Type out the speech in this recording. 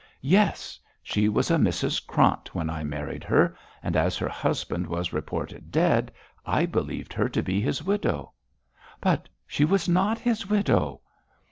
'Yes. She was a Mrs Krant when I married her, and as her husband was reported dead, I believed her to be his widow.' 'But she was not his widow!'